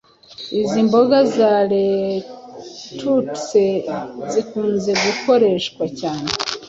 izi mboga za lettuce zikunze gukoreshwa cyane